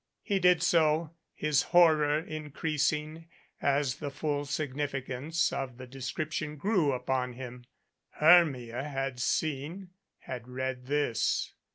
He did so, his horror increasing as the full signifi cance of the description grew upon him. Hermia had seen had read this.